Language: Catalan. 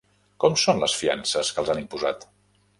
Com són les fiances que els han imposat?